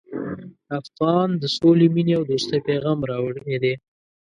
افغان د سولې، مینې او دوستۍ پیغام راوړی دی.